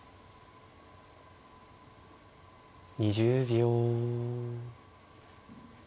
２０秒。